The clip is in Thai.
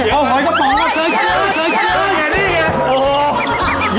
เอาหอยกระป๋องมาใส่เกลือใส่เกลืออย่างนี้